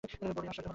বড়োই আশ্চর্য হলাম।